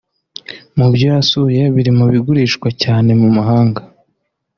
Mu byo yasuye biri mu bigurishwa cyane mu mahanga